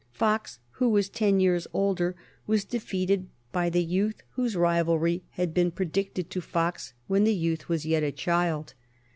Fox, who was ten years older, was defeated by the youth whose rivalry had been predicted to Fox when the youth was yet a child.